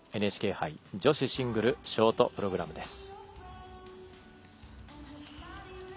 ＮＨＫ杯女子シングルショートプログラムです。